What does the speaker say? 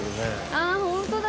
あっホントだ。